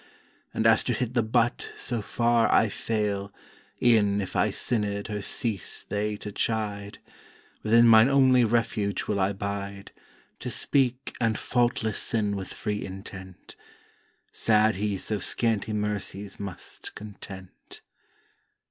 And as to hit the butt so far I fail E'en if I sinnèd her cease they to chide: Within mine only Refuge will I 'bide To speak and faultless sin with free intent. Sad he so scanty mercies must content!